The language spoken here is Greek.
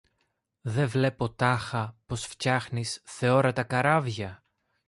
Δε βλέπω τάχα πως φτιάνεις θεόρατα καράβια;